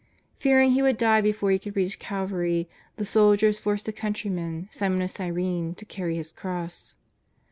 Fearing He would die before He could reach Calvary, the soldiers forced a countrymauj Simon of Cyrene, to carry His cross.